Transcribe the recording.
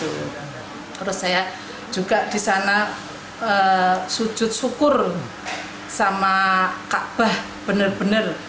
terus saya juga disana sujud syukur sama kak bah benar benar